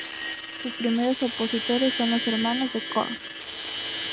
Sus primeros opositores son los hermanos de Korg.